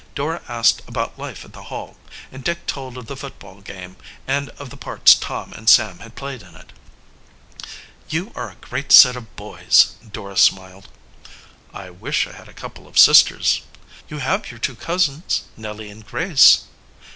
Dora asked about life at the Hall, and Dick told of the football game and of the parts Tom and Sam had played in it. "You are a great set of boys!" Dora smiled. "I wish I had a couple of sisters." "You have your two cousins, Nellie and Grace."